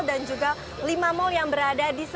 baka kesayangan program